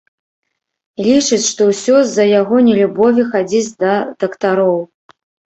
Лічыць, што ўсё з-за яго нелюбові хадзіць да дактароў.